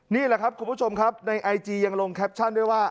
นี่แหละครับคุณผู้ชมครับในไอจียังลงแคปชั่นด้วยว่า